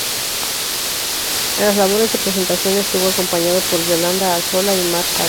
En las labores de presentación estuvo acompañado por Yolanda Alzola y Mar Saura.